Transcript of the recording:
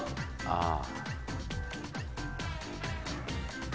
ああ。